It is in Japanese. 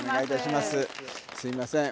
すいません